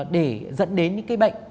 để dẫn đến những bệnh